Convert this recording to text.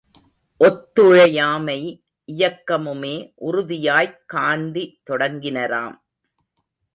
ஒத்துழையாமை இயக்கமுமே உறுதியாய்க் காந்தி தொடங்கினராம்.